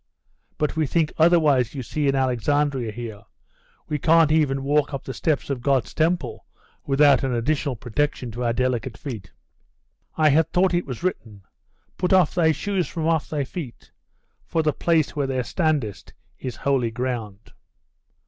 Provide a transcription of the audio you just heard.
'But we think otherwise, you see, in Alexandria here. We can't even walk up the steps of God's temple without an additional protection to our delicate feet.' 'I had thought it was written, "Put off thy shoes from off thy feet, for the place where thou standest is holy ground."